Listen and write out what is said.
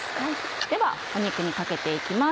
では肉にかけて行きます。